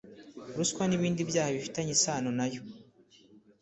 Ruswa n’ ibindi byaha bifitanye isano nayo